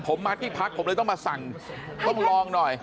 ผมมาที่พักผมเลยต้องมาสั่งต้องลองหน่อย